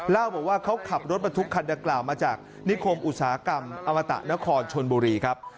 เล่าบอกว่าเขาขับรถบรรทุกคันดังกล่าวมาจากนิคมอุตสาหกรรมอมตะนครชนบุรีครับ